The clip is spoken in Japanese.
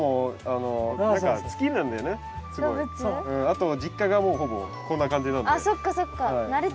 あと実家がもうほぼこんな感じなんで。